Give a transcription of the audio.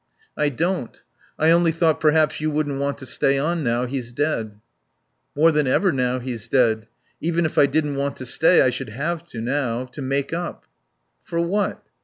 "I don't. I only thought perhaps you wouldn't want to stay on now he's dead." "More than ever now he's dead. Even if I didn't want to stay I should have to now. To make up." "For what?"